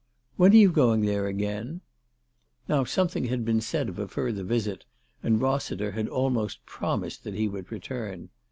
" When are you going there again ?" Now some thing had been said of a further visit, and Rossiter had almost promised that he would return.